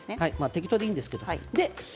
適当でいいんですけどね。